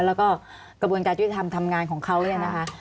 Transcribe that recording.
แล้วก็กระบวนการยุติธรรมทำงานของเขาเนี่ยนะคะ